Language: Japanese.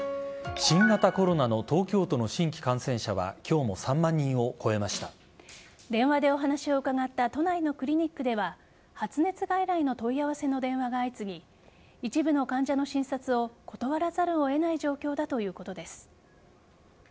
新型コロナの東京都の新規感染者は電話でお話を伺った都内のクリニックでは発熱外来の問い合わせの電話が相次ぎ一部の患者の診察を断らざるを得ない状況だということです。